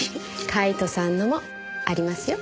カイトさんのもありますよ。